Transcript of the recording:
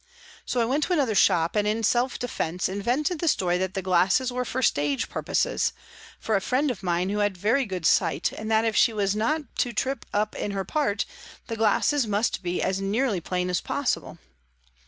So I went to another shop, and in self defence invented the story that the glasses were for stage purposes, for a friend of mine who had very good sight, and that if she was not to trip up in her part the glasses must be as nearly plain as possible.